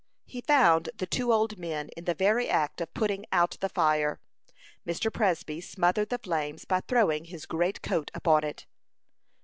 He found the two old men in the very act of putting out the fire. Mr. Presby smothered the flames by throwing his great coat upon it.